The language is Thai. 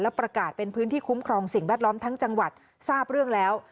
ประกาศเป็นพื้นที่คุ้มครองสิ่งแวดล้อมทั้งจังหวัดทราบเรื่องแล้ว